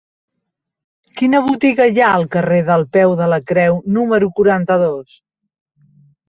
Quina botiga hi ha al carrer del Peu de la Creu número quaranta-dos?